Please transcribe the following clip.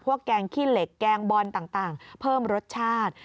แกงขี้เหล็กแกงบอลต่างเพิ่มรสชาติ